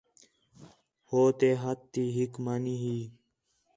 ہو تے ہتھ تی ہِک مانی ہی